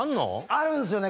あるんですよね